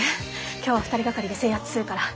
今日は２人がかりで制圧するから。